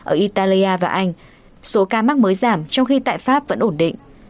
ở italia và anh số ca mắc mới giảm trong khi tại pháp vẫn ổn định